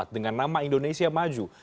dengan nama indonesia maju